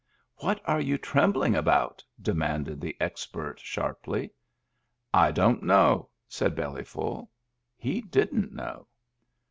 "What are you trembling about?" demanded the expert, sharply. " I don't know," said Bellyful. He didn't know.